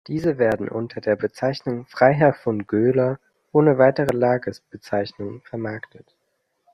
Diese werden unter der Bezeichnung „Freiherr von Göler“ ohne weitere Lagebezeichnung vermarktet.